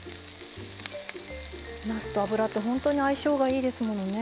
なすと油って本当に相性がいいですものね。